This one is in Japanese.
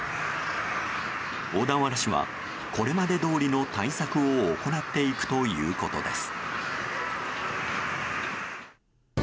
小田原市はこれまでどおりの対策を行っていくということです。